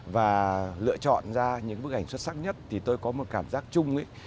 và lựa chọn ra những bức ảnh xuất sắc nhất thì tôi có một cảm giác chung